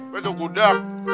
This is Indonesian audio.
pak itu gudak